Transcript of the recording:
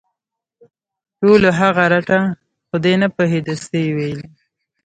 ټولو هغه رټه خو دی نه پوهېده څه یې ویلي